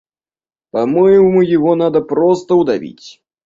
По-моему, его надо просто удавить.